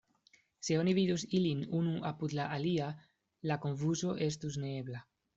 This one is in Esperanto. Se oni vidus ilin unu apud la alia, la konfuzo estus neebla.